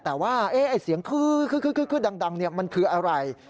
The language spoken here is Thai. แต่ว่าเสียงคือดังมันคืออะไร